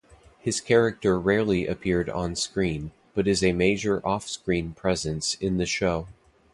His character rarely appeared on-screen, but is a major off-screen presence in the show.